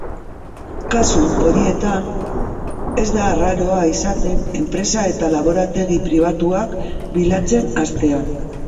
Kasu horietan, ez da arraroa izaten enpresa eta laborategi pribatuak bilatzen hastea.